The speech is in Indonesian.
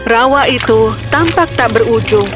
rawa itu tampak tak berujung